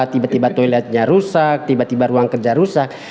tiba tiba toiletnya rusak tiba tiba ruang kerja rusak